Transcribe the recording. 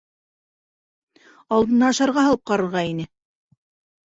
Алдына ашарға һалып ҡарарға ине.